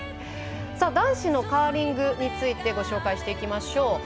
男子のカーリングについてご紹介していきましょう。